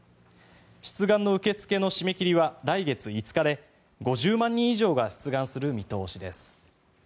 出願の受け付けの締め切りは来月５日で５０万人以上が出願する見通しです。